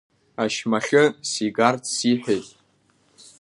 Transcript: Ашьмахьы сигарц сиҳәеит.